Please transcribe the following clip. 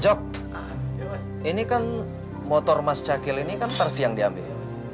jok ini kan motor mas cakil ini kan versi yang diambil